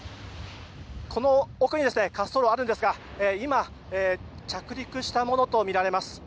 この奥に滑走路があるんですが今、着陸したものとみられます。